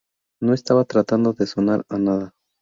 No estaba tratando de sonar a nada.